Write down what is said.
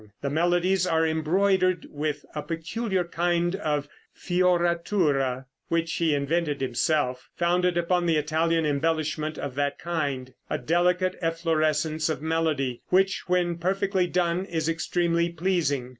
The melodies are embroidered with a peculiar kind of fioratura, which he invented himself, founded upon the Italian embellishment of that kind a delicate efflorescence of melody, which, when perfectly done, is extremely pleasing.